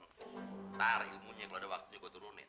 ntar ilmunya kalau ada waktunya gue turunin